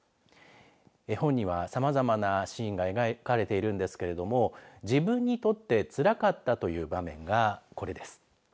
絵本にはさまざまなシーンが描かれているんですけども自分にとってつらかったという場面がこれです。